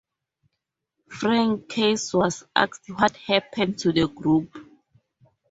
Frank Case was asked what happened to the group.